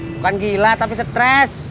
bukan gila tapi stress